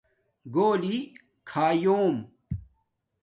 گُولی کھایُوم